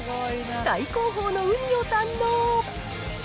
最高峰のウニを堪能。